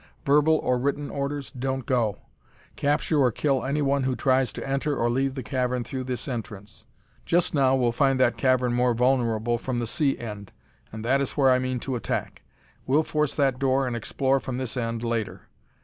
Verbal or written orders don't go. Capture or kill anyone who tries to enter or leave the cavern through this entrance. Just now we'll find that cavern more vulnerable from the sea end, and that is where I mean to attack. We'll force that door and explore from this end later.